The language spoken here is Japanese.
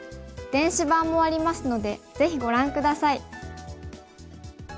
電子版もありますのでぜひご覧下さい。